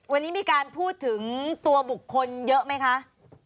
วันนี้มีการพูดถึงตัวบุคคลเยอะไหมคะ